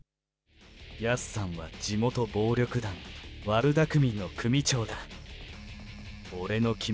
ヤスさんは地元の暴力団、悪田組の組長だ。